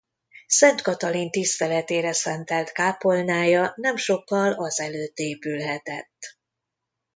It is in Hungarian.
Szent Katalin tiszteletére szentelt kápolnája nem sokkal az előtt épülhetett.